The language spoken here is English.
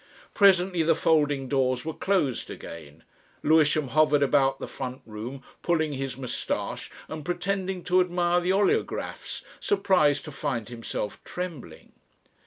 Presently the folding doors were closed again. Lewisham hovered about the front room pulling his moustache and pretending to admire the oleographs, surprised to find himself trembling....